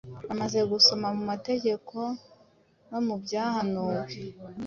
Bamaze gusoma mu mategeko no mu byahanuwe,